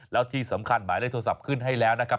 แล้วที่สำคัญหมายเลขโทรศัพท์ขึ้นให้แล้วนะครับ